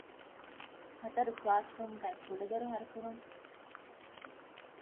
ހަތަރު ކްލާސްރޫމްގައި ކުޑަދޮރު ހަރުކުރުން